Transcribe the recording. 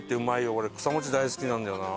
俺草餅大好きなんだよな。